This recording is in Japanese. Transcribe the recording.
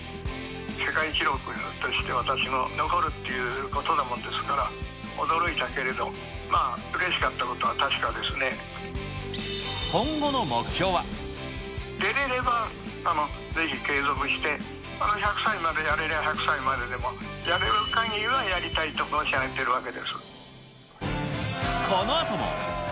世界記録として、私の、残るっていうことなもんですから、驚いたけれど、まあ、うれしかっ今後の目標は。出れればぜひ継続して、１００歳までやれりゃ、１００歳まででも、やれるかぎりはやりた彼の名はペイトク